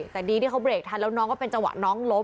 แต่ดีที่เขาเรกทันแล้วน้องก็เป็นจังหวะน้องล้ม